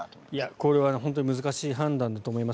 これは難しい判断だと思います。